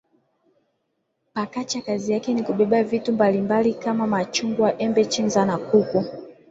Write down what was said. Pakacha kazi yake ni kubebea vitu mbali mbali kama machungwa embe chenza na kuku